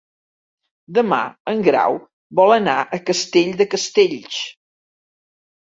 Demà en Grau vol anar a Castell de Castells.